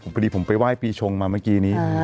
พอดีผมไปไหว้ปีชงมาเมื่อกี้นี้